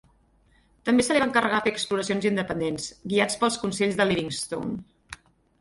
També se li va encarregar fer exploracions independents, guiat pels consells de Livingstone.